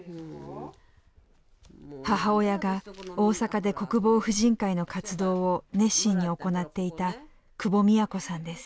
母親が大阪で国防婦人会の活動を熱心に行っていた久保三也子さんです。